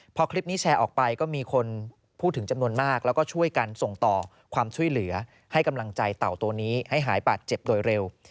พอคลิปนี้แชร์ออกไปก็มีคนพูดถึงจำนวนมากแล้วก็ช่วยกันส่งต่อความช่วยเหลือให้กำลังใจเต่าตัวนี้ให้หายบาดเจ็บโดยเร็ว